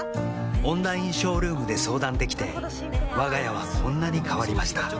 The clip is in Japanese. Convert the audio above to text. オンラインショールームで相談できてわが家はこんなに変わりました